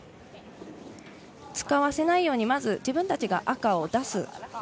使わせないように、まず自分たちが赤を出す。